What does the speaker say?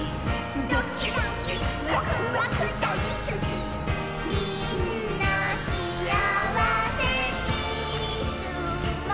「ドキドキワクワクだいすき」「みんなしあわせ」「いつも」